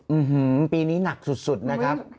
อื้อหือปีนี้หนักสุดนะครับ